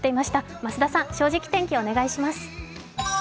増田さん、「正直天気」お願いします。